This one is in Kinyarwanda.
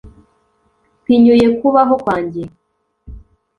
mpinyuye kubaho kwanjye